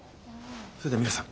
それでは皆さん